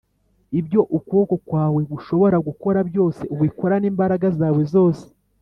ibyo ukuboko kwawe gushobora gukora byose ubikorane imbaraga zawe zose